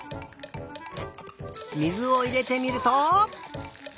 水をいれてみると。